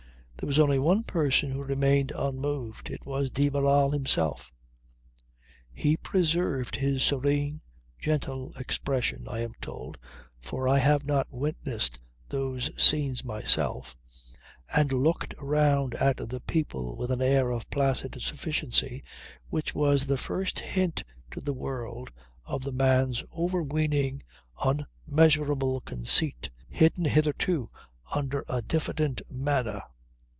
There was only one person who remained unmoved. It was de Barral himself. He preserved his serene, gentle expression, I am told (for I have not witnessed those scenes myself), and looked around at the people with an air of placid sufficiency which was the first hint to the world of the man's overweening, unmeasurable conceit, hidden hitherto under a diffident manner.